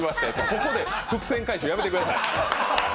ここで伏線回収やめてください。